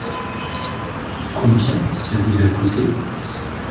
Combien ça vous a coûté ?